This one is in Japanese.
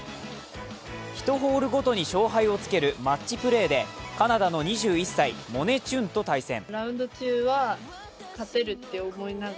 １ホールごとに勝敗をつけるマッチプレーでカナダの２１歳モネ・チュンと対戦。